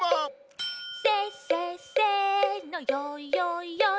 「せっせっせのよいよいよい」